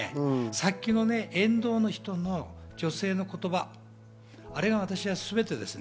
さっきの沿道の人の女性の言葉、あれが私は全てですね。